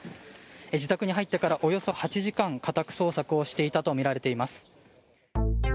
自宅に入ってからおよそ８時間家宅捜索をしていたとみられています。